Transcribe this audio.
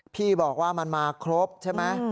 พี่บอกว่ามันมาครบใช่ไหม